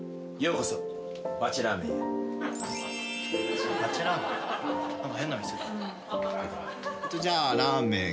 うん。じゃあラーメン。